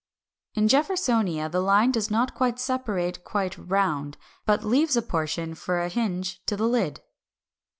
In Jeffersonia, the line does not separate quite round, but leaves a portion for a hinge to the lid.